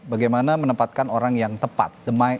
bagaimana menempatkan orang yang tepat